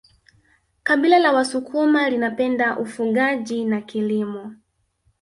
kabila la wasukuma linapenda ufugaji na kilimo